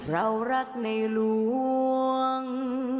เรารักในหลวง